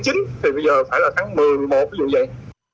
thì bây giờ phải là tháng một mươi một mươi một ví dụ vậy